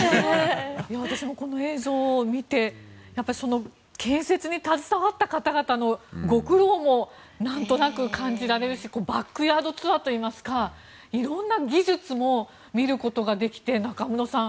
私もこの映像を見て建設に携わった方々のご苦労もなんとなく感じられるしバックヤードツアーといいますか色んな技術も見ることができて中室さん